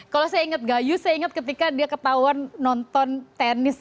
kalau saya ingat gayu saya ingat ketika dia ketahuan nonton tenis